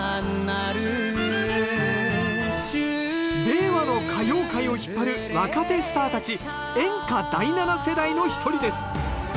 令和の歌謡界を引っ張る若手スターたち演歌第７世代の一人です。